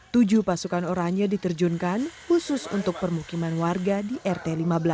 tujuh pasukan oranye diterjunkan khusus untuk permukiman warga di rt lima belas